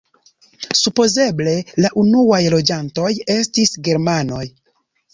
Supozeble la unuaj loĝantoj estis germanoj.